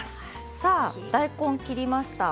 さあ大根を切りました。